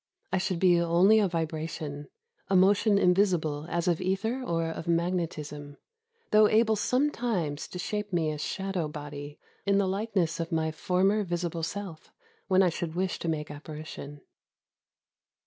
I should be only a vibration, — a motion invisible as of ether or of magnetism ; though able sometimes to shape me a shadow body, in the likeness of my former visible self, when I should wish to make apparition.